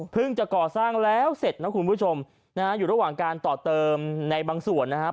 จะก่อสร้างแล้วเสร็จนะคุณผู้ชมนะฮะอยู่ระหว่างการต่อเติมในบางส่วนนะครับ